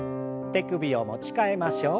手首を持ち替えましょう。